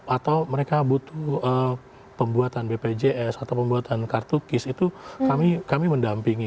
atau mereka butuh pembuatan bpjs atau pembuatan kartu kis itu kami mendampingi